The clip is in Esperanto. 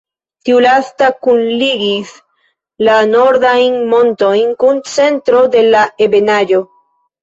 Tiu lasta kunligis la nordajn montojn kun centro de la ebenaĵo.